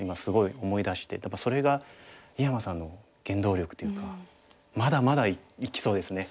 やっぱりそれが井山さんの原動力というかまだまだいきそうですね。